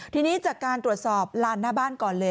ทีนี้จากการตรวจสอบลานหน้าบ้านก่อนเลย